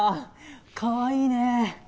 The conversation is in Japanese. かわいいねえ！